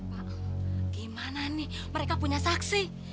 pak gimana nih mereka punya saksi